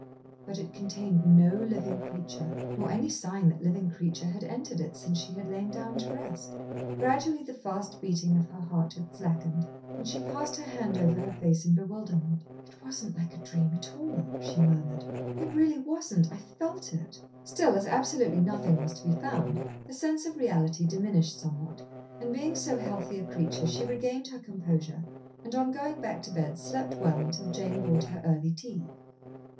But it contained no living creature, nor any sign that living creature had entered it since she had lain down to rest. Gradually the fast beating of her heart had slackened, and she passed her hand over her face in bewilderment. "It wasn't like a dream at all," she murmured; "it really wasn't. I felt it." Still as absolutely nothing was to be found, the sense of reality diminished somewhat, and being so healthy a creature, she regained her composure, and on going back to bed slept well until Jane brought her early tea.